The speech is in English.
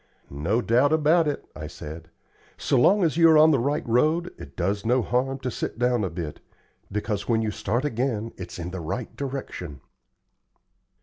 "No doubt about it," I said. "So long as you are on the right road, it does no harm to sit down a bit, because when you start again it's in the right direction."